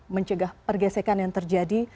mencegah pergesekan yang terjadi